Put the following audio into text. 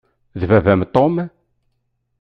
D baba-m Tom.